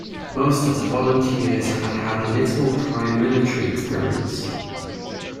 Most of the volunteers had had little prior military experience.